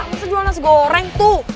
lo mesti jual nasi goreng tuh